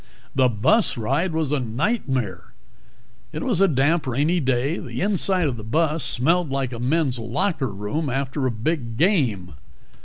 The bus ride was a nightmare. It was a damp, rainy day; the inside of the bus smelled like the men's locker room after a big game.